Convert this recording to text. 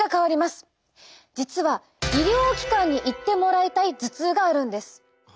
実は医療機関に行ってもらいたい頭痛があるんです。